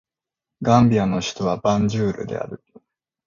ガンビアの首都はバンジュールである